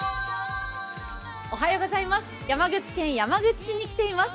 山口県山口市に来ています。